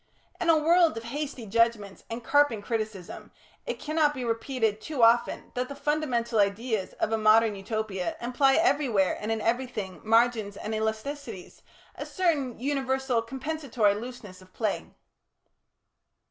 In a world of hasty judgments and carping criticism, it cannot be repeated too often that the fundamental ideas of a modern Utopia imply everywhere and in everything, margins and elasticities, a certain universal compensatory looseness of play.